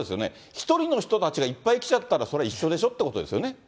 １人の人たちがいっぱい来ちゃったら、それは一緒でしょっていうことですよね？